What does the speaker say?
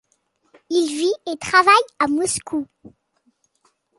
Il vit et travaille à Moscou.